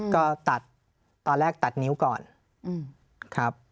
ก็ตัดตอนแรกตัดนิ้วก่อนครับ